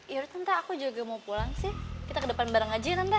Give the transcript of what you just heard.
yaudah tante aku juga mau pulang sih kita ke depan bareng aja nanti